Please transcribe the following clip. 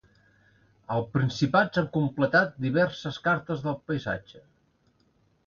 Al Principat s'han completat diverses cartes del paisatge.